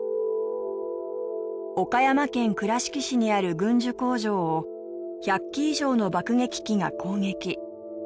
岡山県倉敷市にある軍需工場を１００機以上の爆撃機が攻撃。